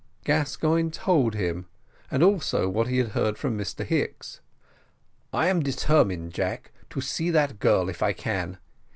Gascoigne told him, and also what he had heard from Mr Hicks. "I'm determined, Jack, to see that girl if I can.